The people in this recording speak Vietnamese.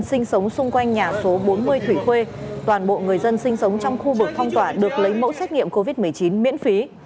sinh sống xung quanh nhà số bốn mươi thủy khuê toàn bộ người dân sinh sống trong khu vực phong tỏa được lấy mẫu xét nghiệm covid một mươi chín miễn phí